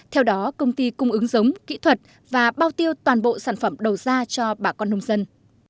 theo đó công ty cung ứng giống kỹ thuật và bao tiêu toàn bộ sản phẩm đầu ra cho bà con nông dân